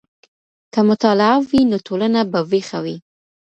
که مطالعه وي، نو ټولنه به ويښه وي.